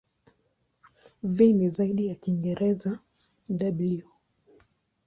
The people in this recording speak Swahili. V ni zaidi ya Kiingereza "w".